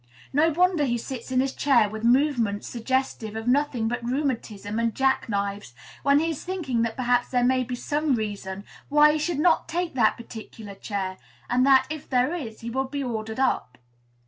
No wonder he sits down in his chair with movements suggestive of nothing but rheumatism and jack knives, when he is thinking that perhaps there may be some reason why he should not take that particular chair, and that, if there is, he will be ordered up.